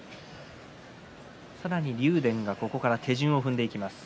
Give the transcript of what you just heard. さらに竜電がここから手順を踏んでいきます。